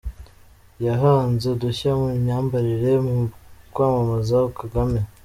Yahanze udushya mu myambarire mu kwamamaza Kagame.